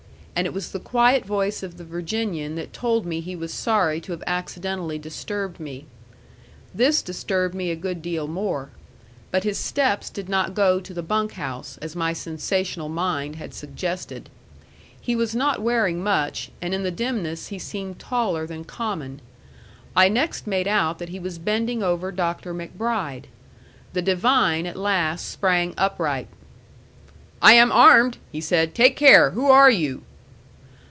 And it was the quiet voice of the Virginian that told me he was sorry to have accidentally disturbed me. This disturbed me a good deal more. But his steps did not go to the bunk house, as my sensational mind had suggested. He was not wearing much, and in the dimness he seemed taller than common. I next made out that he was bending over Dr. MacBride. The divine at last sprang upright. "I am armed," he said. "Take care. Who are you?"